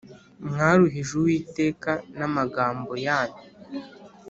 “Mwaruhije Uwiteka n’amagambo yanyu